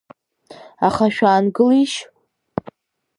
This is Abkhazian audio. Аха шәаангылишь!